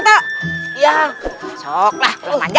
besok lah belum aja